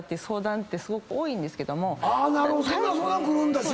そんな相談来るんだ。